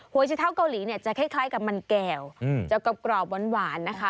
หัวไชเท้าเกาหลีจะคล้ายกับมันแก่วจะกรอบหวานนะคะ